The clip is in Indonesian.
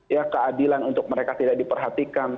ya keadilan untuk mereka tidak diperhatikan